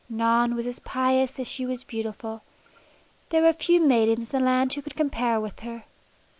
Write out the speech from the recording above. Non was as pious as she was beautiful. There were few maidens in the land who could compare with her.